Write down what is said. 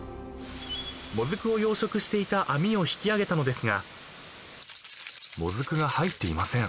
［モズクを養殖していた網を引き上げたのですがモズクが入っていません］